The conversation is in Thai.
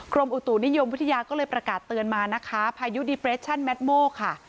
กรมอุตุนิยมวิทยาก็เลยประกาศเตือนมานะคะภายุค่ะ